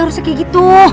sampai jumpa lagi